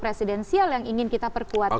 presidensial yang ingin kita perkuat